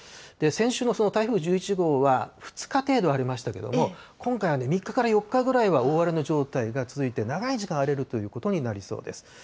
先週の台風１１号は２日程度ありましたけども、今回は３日から４日ぐらいは大荒れの状態が続いて、長い時間荒れるということになりそうです。